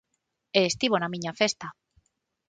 E estivo na miña festa.